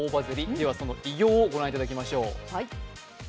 ではその偉業をご覧いただきましょう。